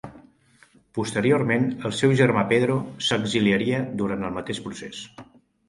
Posteriorment el seu germà Pedro s'exiliaria durant el mateix procés.